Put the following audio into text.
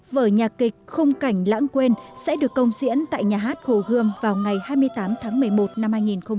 vở nhạc kịch khung cảnh lãng quên sẽ được công diễn tại nhà hát hồ gươm vào ngày hai mươi tám tháng một mươi một năm hai nghìn một mươi chín